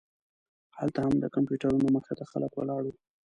هلته هم د کمپیوټرونو مخې ته خلک ولاړ وو.